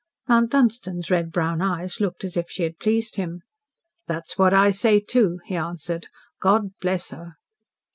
Mount Dunstan's red brown eyes looked as if she had pleased him. "That's what I say, too," he answered. "God bless her!"